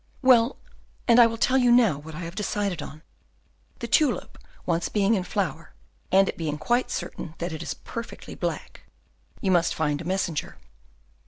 "Well, and I will tell you now what I have decided on. The tulip once being in flower, and it being quite certain that it is perfectly black, you must find a messenger."